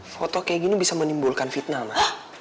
foto kayak gini bisa menimbulkan fitnah mas